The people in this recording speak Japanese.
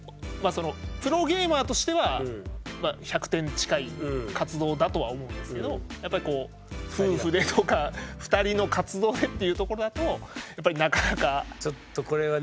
プロゲーマーとしては１００点に近い活動だとは思うんですけどやっぱりこう夫婦でとか２人の活動でっていうところだとやっぱりなかなか。